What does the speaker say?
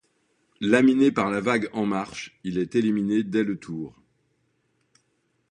Laminé par la vague En Marche, il est éliminé dès le tour.